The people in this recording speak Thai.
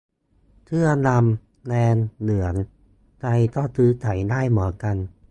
เสื้อดำ แดง เหลือง ใครก็ซื้อใส่ได้เหมือนกัน